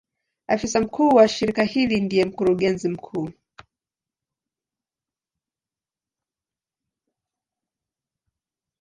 Afisa mkuu wa shirika hili ndiye Mkurugenzi mkuu.